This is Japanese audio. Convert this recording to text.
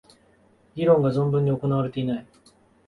議論が充分に行われていない